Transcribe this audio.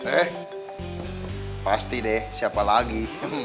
eh pasti deh siapa lagi